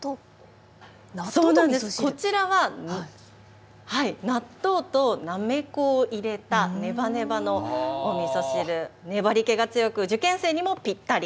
そうなんです、こちらは納豆となめこを入れたねばねばのおみそ汁、粘り気が強く、受験生にもぴったり。